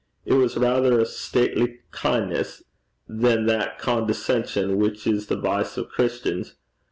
It was raither a stately kin'ness than that condescension which is the vice o' Christians.